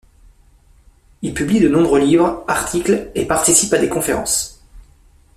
Il publie de nombreux livres, articles et participe à des conférences.